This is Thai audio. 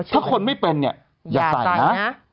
ถ้าคนไม่เป็นเนี่ยอย่าแต่งนะ